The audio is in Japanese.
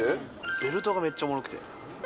ベルトがめっちゃおもろくて。